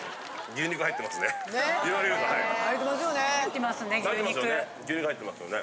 牛肉入ってますよね。